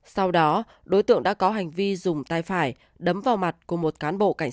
sau đó đối tượng đã có hành vi dùng tay phải đấm vào mặt của một cán bộ cảnh sát